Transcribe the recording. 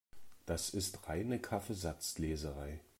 Das ist reine Kaffeesatzleserei.